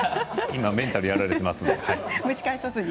今メンタルやられていますので。